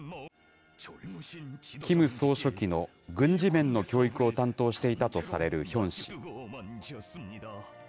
キム総書記の軍事面の教育を担当していたとされるヒョン氏。